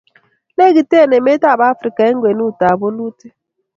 lekite emetab Afrika ng'wenonikab bolutik